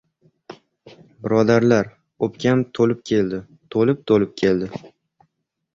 Birodarlar, o‘pkam to‘lib keldi. To‘lib-to‘lib keldi...